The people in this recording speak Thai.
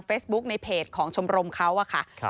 ตัวเองนั่นแหละอาจารย์ด้วยกันอ่ะ